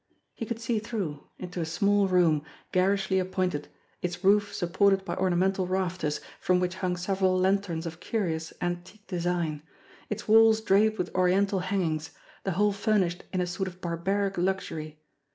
He could see through into a small room, garishly ap pointed, its roof supported by ornamental rafters from which hung several lanterns of curious, antique design, its walls draped with oriental hangings, the whole furnished in a sort of barbaric luxury.